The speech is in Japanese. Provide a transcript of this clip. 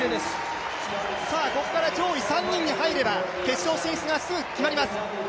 ここから上位３人に入れば決勝進出がすぐ決まります。